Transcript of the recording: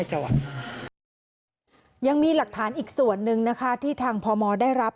ยังมีหลักฐานอีกส่วนหนึ่งนะคะที่ทางพมได้รับ